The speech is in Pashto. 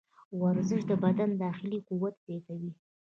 ورزش د بدن داخلي قوت زیاتوي.